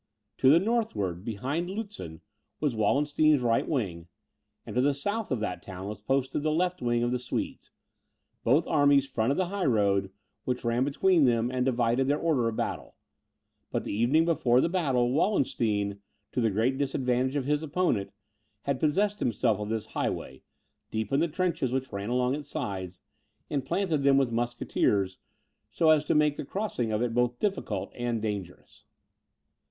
To the northward, behind Lutzen, was Wallenstein's right wing, and to the south of that town was posted the left wing of the Swedes; both armies fronted the high road, which ran between them, and divided their order of battle; but the evening before the battle, Wallenstein, to the great disadvantage of his opponent, had possessed himself of this highway, deepened the trenches which ran along its sides, and planted them with musketeers, so as to make the crossing of it both difficult and dangerous.